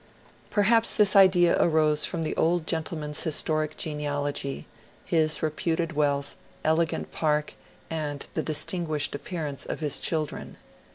'' Perhaps this idea arose from the old gentleman's historic genealogy, his reputed wealth, elegant park, and the dis tinguished appearance of his children.